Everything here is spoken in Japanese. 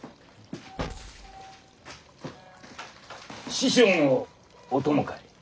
師匠のお供かい？